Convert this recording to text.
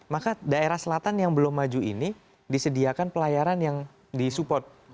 maka daerah selatan yang belum maju ini disediakan pelayaran yang disupport